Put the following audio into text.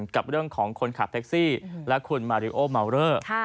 กับเรื่องของคนขับแท็กซี่และคุณมาริโอมาวเลอร์